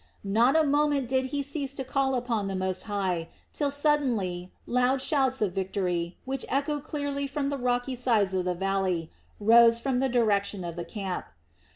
Not a moment did he cease to call upon the Most High till suddenly loud shouts of victory, which echoed clearly from the rocky sides of the valley, rose from the direction of the camp.